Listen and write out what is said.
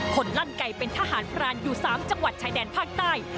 ลั่นไก่เป็นทหารพรานอยู่๓จังหวัดชายแดนภาคใต้